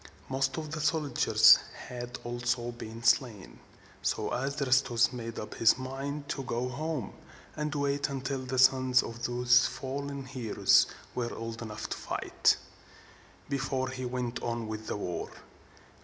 Most of the soldiers had also been slain: so Adrastus made up his mind to go home, and wait until the sons of these fallen heroes were old enough to fight, before he went on with the war.